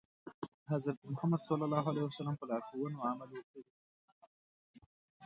د حضرت محمد ص په لارښوونو عمل وکړي.